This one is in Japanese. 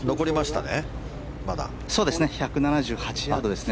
１７８ヤードですね。